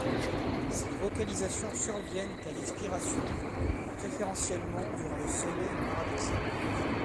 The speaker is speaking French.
Ces vocalisations surviennent à l'expiration, préférentiellement durant le sommeil paradoxal.